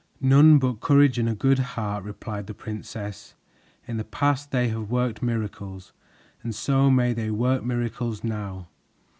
"None but courage and a good heart," replied the princess. "In the past they have worked miracles, and so may they work miracles now.